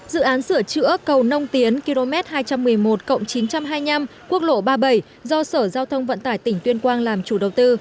dự án sửa chữa cầu nông tiến km hai trăm một mươi một chín trăm hai mươi năm quốc lộ ba mươi bảy do sở giao thông vận tải tỉnh tuyên quang làm chủ đầu tư